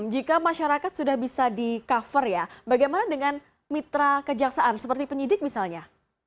jika masyarakat sudah bisa di cover ya bagaimana dengan mitra kejaksaan seperti penyidik misalnya